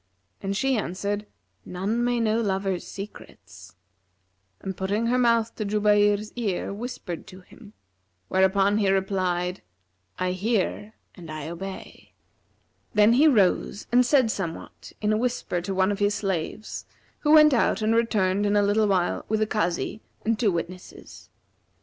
and she answered, 'None may know lovers' secrets,' and putting her mouth to Jubayr's ear whispered to him; where upon he replied, 'I hear and I obey.' Then he rose and said somewhat in a whisper to one of his slaves, who went out and returned in a little while with a Kazi and two witnesses.